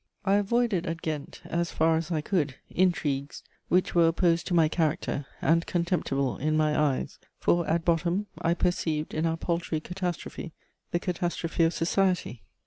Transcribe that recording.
* I avoided at Ghent, as far as I could, intrigues, which were opposed to my character and contemptible in my eyes; for, at bottom, I perceived in our paltry catastrophe the catastrophe of society.